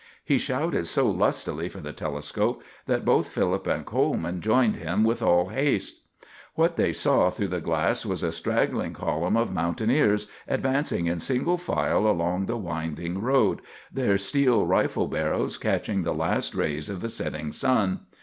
He shouted so lustily for the telescope that both Philip and Coleman joined him with all haste. What they saw through the glass was a straggling column of mountaineers advancing in single file along the winding road, their steel rifle barrels catching the last rays of the setting sun.